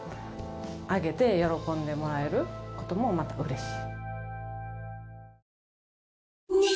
あげて喜んでもらえる事もまた嬉しい。